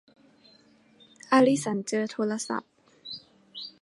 อลิสันเจอโทรศัพท์